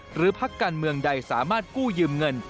พักการเมืองใดสามารถกู้ยืมเงิน